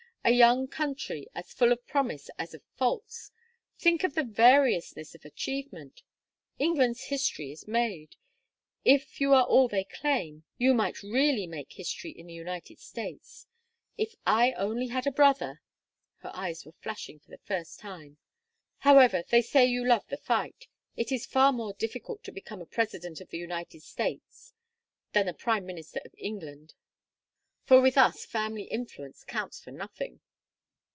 A young country as full of promise as of faults! Think of the variousness of achievement! England's history is made. If you are all they claim, you might really make history in the United States. If I only had a brother " Her eyes were flashing for the first time. "However they say you love the fight. It is far more difficult to become a president of the United States than a prime minister of England, for with us family influence counts for nothing."